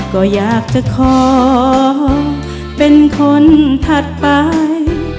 ก็อยากจะขอเป็นคนถัดไป